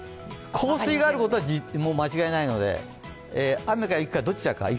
降水があることは間違いないので、雨か雪がどちらか。